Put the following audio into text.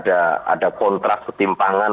ada kontras ketimpangan